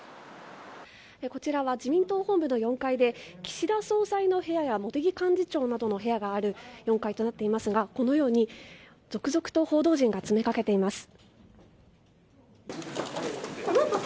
こちらは自民党本部の４階で岸田総裁の部屋や茂木幹事長の部屋などがある４階となっていますが続々と報道陣が詰めかけています。